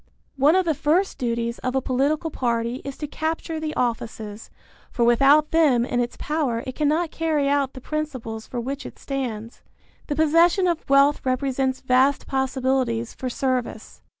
One of the first duties of a political party is to capture the offices, for without them in its power it cannot carry out the principles for which it stands. The possession of wealth represents vast possibilities for service.